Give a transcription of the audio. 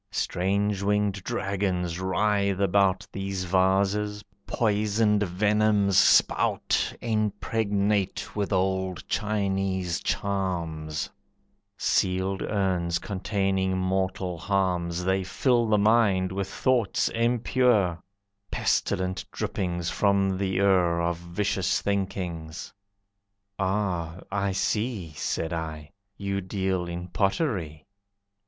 Strange winged dragons writhe about These vases, poisoned venoms spout, Impregnate with old Chinese charms; Sealed urns containing mortal harms, They fill the mind with thoughts impure, Pestilent drippings from the ure Of vicious thinkings. "Ah, I see," Said I, "you deal in pottery."